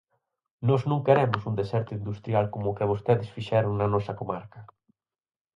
Nós non queremos un deserto industrial como o que vostedes fixeron na nosa comarca.